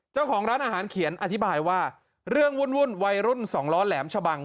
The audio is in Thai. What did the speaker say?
เจ้าของร้านอาหารเขียนอธิบายว่าเรื่องวุ่นวัยรุ่นสองล้อแหลมชะบัง